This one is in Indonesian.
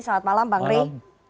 selamat malam bang rey